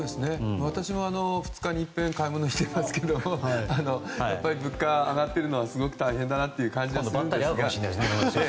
私は２日にいっぺん買い物してますけど物価が上がっているのはすごく大変だなという気がしていますが。